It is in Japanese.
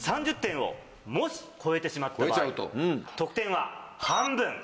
３０点をもし超えてしまった場合得点は半分。